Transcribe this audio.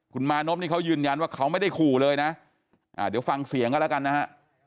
คุณมานพนี่เขายืนยันว่าเขาไม่ได้ขู่เลยนะเดี๋ยวฟังเสียงกันแล้วกันนะฮะ